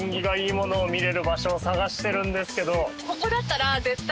ここだったら絶対。